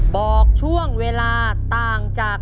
บอกช่วงเวลาต่างจาก